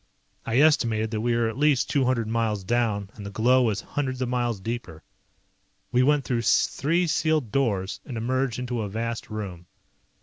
I estimated that we were at least two hundred miles down and the glow was hundreds of miles deeper. We went through three sealed doors and emerged into a vast room.